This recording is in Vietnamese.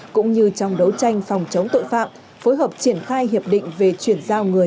cũng như trong đấu tranh phòng chống tội phạm phối hợp triển khai hiệp định về chuyển giao người